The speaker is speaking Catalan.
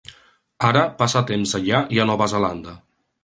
Ara passa temps allà i a Nova Zelanda.